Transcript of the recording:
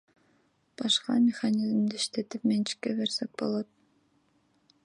Башка механизмди иштетип, менчикке берсек болот.